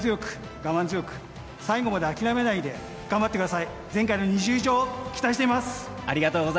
粘り強く我慢強く最後まで諦めないで頑張ってください。